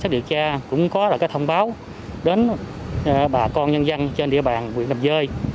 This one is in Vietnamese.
đến bà con nhân dân trên địa bàn huyện đầm rơi